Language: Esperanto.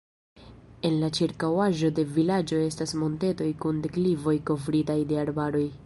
En la ĉirkaŭaĵo de vilaĝo estas montetoj kun deklivoj kovritaj de arbaroj.